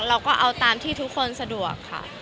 เราก็เอาตามที่ทุกคนสะดวกค่ะ